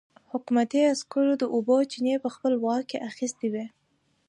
حکومتي عسکرو د اوبو چينې په خپل واک کې اخيستې وې.